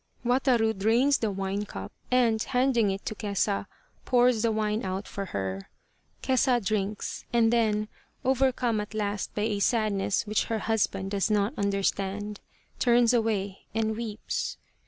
Wataru drains the wine cup and, handing it to Kesa, pours the wine out for her. Kesa drinks, and then, overcome at last by a sadness which her husband does not understand, turns away and weeps.